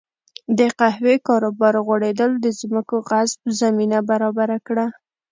د قهوې کاروبار غوړېدل د ځمکو غصب زمینه برابره کړه.